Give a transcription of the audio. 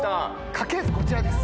家系図こちらです。